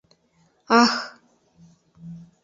— Ах!